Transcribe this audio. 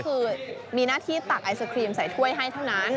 คือมีหน้าที่ตักไอศครีมใส่ถ้วยให้เท่านั้น